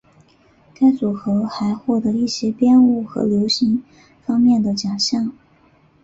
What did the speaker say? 该组合还获得一些编舞和流行方面的奖项。